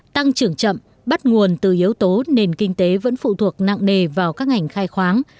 tăng trưởng chậm bắt nguồn từ yếu tố nền kinh tế vẫn phụ thuộc nặng nề vào các ngành khai khoáng